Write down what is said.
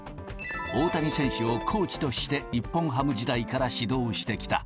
大谷選手をコーチとして日本ハム時代から指導してきた。